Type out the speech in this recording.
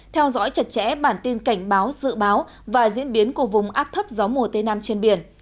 theo dõi chặt chẽ bản tin cảnh báo dự báo và diễn biến của vùng áp thấp gió mùa tây nam trên biển